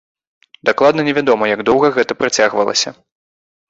Дакладна невядома, як доўга гэта працягвалася.